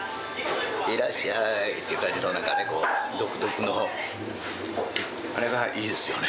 いらっしゃーいっていう、なんかね、独特の、あれがいいですよね。